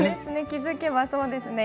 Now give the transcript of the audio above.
気づけば、そうですね